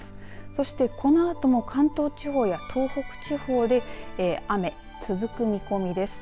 そして、このあとも関東地方や東北地方で雨続く見込みです。